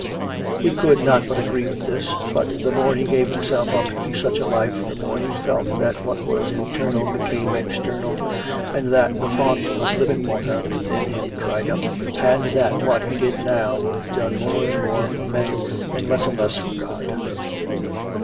He could not but agree with this, but the more he gave himself up to such a life the more he felt that what was internal became external, and that the fount of living water within him dried up, and that what he did now was done more and more for men and less and less for God.